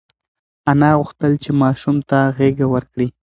انا غوښتل چې ماشوم ته غېږه ورکړي.